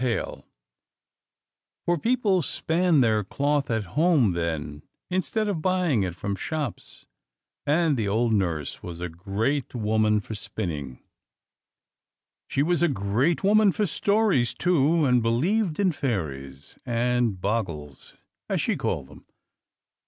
[Illustration: Page 254] For people span their cloth at home then, instead of buying it from shops; and the old nurse was a great woman for spinning. She was a great woman for stories, too, and believed in fairies, and "bogles," as she called them.